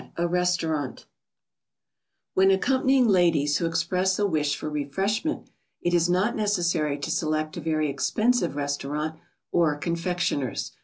] When accompanying ladies who express a wish for refreshment, it is not necessary to select a very expensive restaurant or confectioner's.